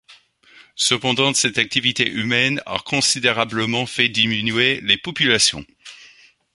Cependant cette activité humaine a considérablement fait diminuer les populations.